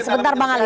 sebentar bang ali